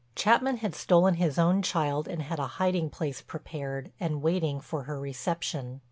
Chapman had stolen his own child and had a hiding place prepared and waiting for her reception.